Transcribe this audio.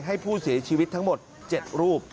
ให้ผู้เสียชีวิตทั้งหมด๗รูป